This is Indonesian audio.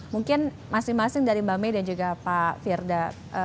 mungkin masing masing dari mbak may dan juga pak firda